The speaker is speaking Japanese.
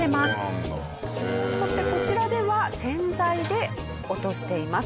そしてこちらでは洗剤で落としています。